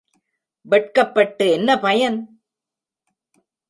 வெட்கப்பட்டு என்ன பயன்?